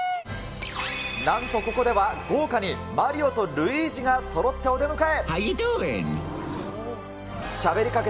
なんとここでは、豪華にマリオとルイージがそろってお出迎え。